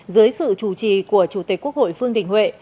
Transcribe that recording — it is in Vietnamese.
dưới sự chủ trì của chủ tịch quốc hội vương đình huệ